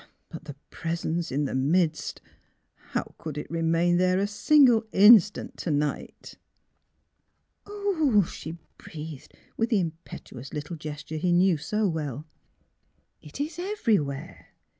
'^ But The Presence in the midst — how could it remain there a single instant to night? "" Oh! " she breathed, with the impetuous little gesture he knew so well. " It is everywhere!